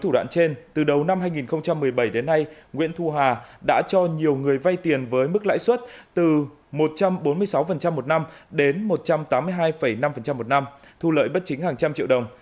hai nghìn một mươi bảy đến nay nguyễn thu hà đã cho nhiều người vay tiền với mức lãi suất từ một trăm bốn mươi sáu một năm đến một trăm tám mươi hai năm một năm thu lợi bất chính hàng trăm triệu đồng